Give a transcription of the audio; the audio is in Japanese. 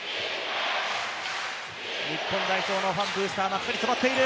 日本代表のファン、ブースターが集まっている。